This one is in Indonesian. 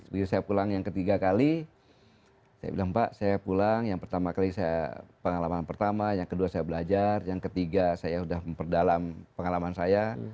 begitu saya pulang yang ketiga kali saya bilang pak saya pulang yang pertama kali saya pengalaman pertama yang kedua saya belajar yang ketiga saya sudah memperdalam pengalaman saya